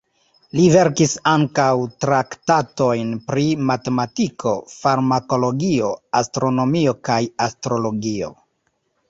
Li verkis ankaŭ traktatojn pri matematiko, farmakologio, astronomio kaj astrologio.